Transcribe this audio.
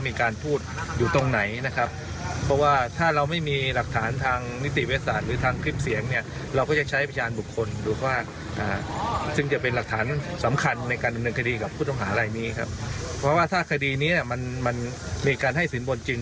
มีการล่าสัตว์ป่ายจริง